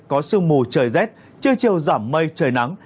có sương mù trời rét trưa chiều giảm mây trời nắng